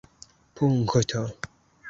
Punkto.